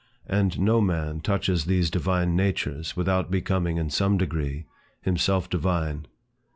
And no man touches these divine natures, without becoming, in some degree, himself divine.